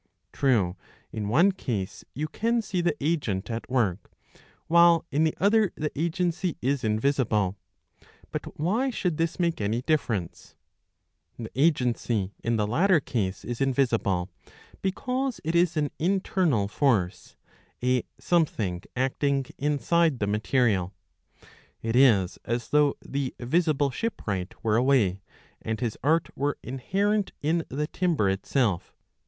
True, in one case you can see the agent at work, while in the other the agency is yivisilile. But, why should this make ^ Jowett's Transl. ii. 546. ^ £)e Ugy part. xi. 14. ^ Phys. ii. I, 5 vi INTRODUCTION. any difference ? The agency in the latter case is invisible, because it is an internal force, a something acting inside the material. It is as though the visible shipwright were away, and his art were inherent in the timber itself.